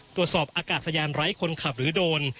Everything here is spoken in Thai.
ตรวจสอบอากาศยานไร้คนขับหรือโดน